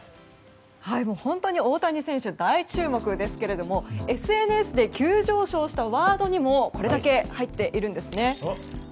本当に大谷選手に大注目ですけどもＳＮＳで急上昇したワードにもこれだけ入っているんです。